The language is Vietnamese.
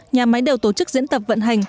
nhà máy đều tổ chức diễn tập vận hành